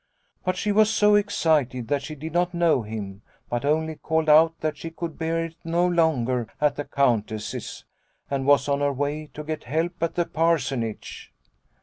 But she was so excited that she did not know him, but only called out that she could bear it no longer at the Countess's, and was on her way to get help at the Parsonage.